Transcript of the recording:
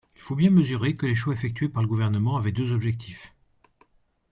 Il faut bien mesurer que les choix effectués par le Gouvernement avaient deux objectifs.